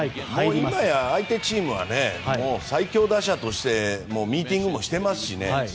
相手チームは最強打者としてミーティングもしていますし。